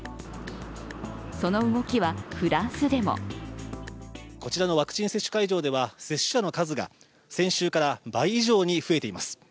その動きはフランスでもこちらのワクチン接種会場では、接種者の数が先週から倍以上に増えています。